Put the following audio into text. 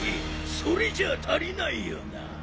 それじゃあ足りないよな。